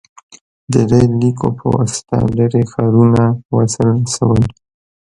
• د ریل لیکو په واسطه لرې ښارونه وصل شول.